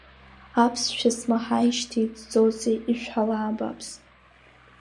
Аԥсшәа смаҳаижьҭеи иҵӡозеи, ишәҳәала, абааԥсы!